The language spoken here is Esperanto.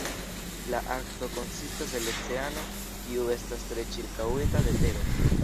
La Arkto konsistas el oceano kiu estas tre ĉirkaŭita de tero.